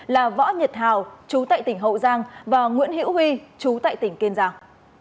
là võ nhật hào chú tại tỉnh hậu giang và nguyễn hữu huy chú tại tỉnh kiên giang